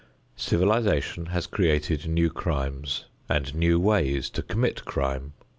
Civilization has created new crimes and new ways to commit crime.